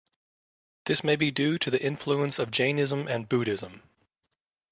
This may be due to the influence of Jainism and Buddhism.